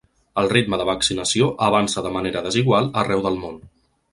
El ritme de vaccinació avança de manera desigual arreu del món.